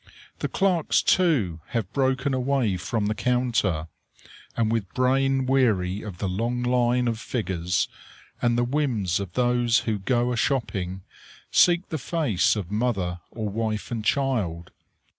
The clerks, too, have broken away from the counter, and with brain weary of the long line of figures, and the whims of those who go a shopping, seek the face of mother, or wife and child.